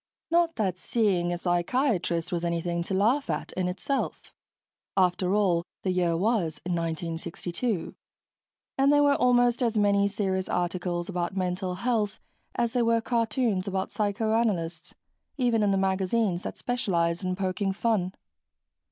Not that seeing a psychiatrist was anything to laugh at, in itself. After all, the year was 1962, and there were almost as many serious articles about mental health as there were cartoons about psychoanalysts, even in the magazines that specialized in poking fun.